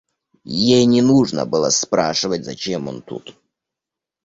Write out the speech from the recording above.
Ей не нужно было спрашивать, зачем он тут.